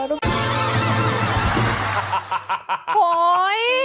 โหย